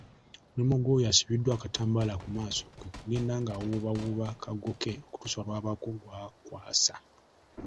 Omulimu gw’oyo asibiddwa akatambaala ku maaso kwe kugenda ng’awuubawuuba akaggo ke okutuusa lw’abaako gw’akwasa.